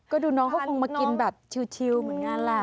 ก็ดูน้องเขาคงมากินแบบชิลเหมือนกันแหละ